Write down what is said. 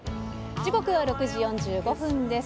時刻は６時４５分です。